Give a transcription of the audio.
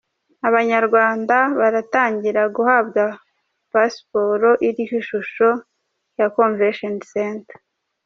Abanyarwanda baratangira guhabwa pasiporo iriho ishusho ya Convention Centre.